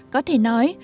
có thể nói